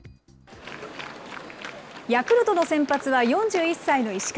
ヤクルトの先発は４１歳の石川。